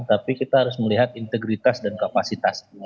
tapi kita harus melihat integritas dan kapasitas